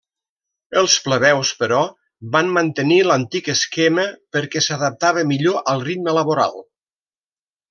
Els plebeus, però, van mantenir l'antic esquema, perquè s'adaptava millor al ritme laboral.